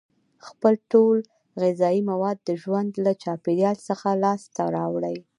خپل ټول غذایي مواد د ژوند له چاپیریال څخه لاس ته راوړي.